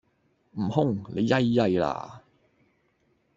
悟空,你曳曳啦